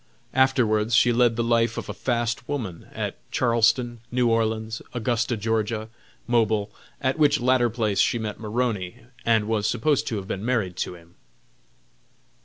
Afterwards she led the life of a fast woman at Charleston, New Orleans, Augusta, Ga., and Mobile, at which latter place she met Maroney, and was supposed to have been married to him.